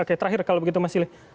oke terakhir kalau begitu mas silih